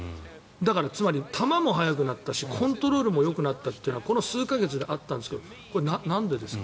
だから、つまり球も速くなったしコントロールもよくなったというのはこの数か月であったんですがこれはなんでですか？